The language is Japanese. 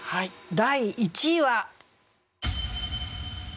第１位は。